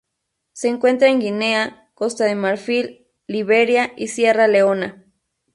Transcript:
Se encuentran en Guinea, Costa de Marfil, Liberia y Sierra Leona.